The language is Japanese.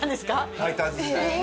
ファイターズ時代のね。